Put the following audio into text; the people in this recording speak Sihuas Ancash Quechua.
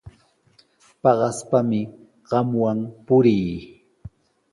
Paqaspami qamwan purii.